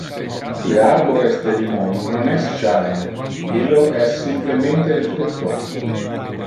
Le arbores de limon non es jalne, illo es simplemente le fructo.